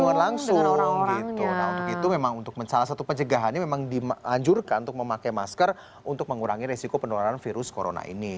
nah untuk itu memang salah satu penjegahannya memang dimanjurkan untuk memakai masker untuk mengurangi risiko penularan virus corona ini